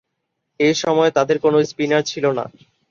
এ সময়ে তাদের কোন স্পিনার ছিল না।